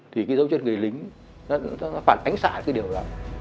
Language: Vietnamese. thì cái dấu chân người lính nó phản ánh xạ cái điều đó